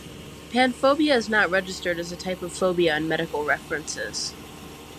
Panphobia is not registered as a type of phobia in medical references.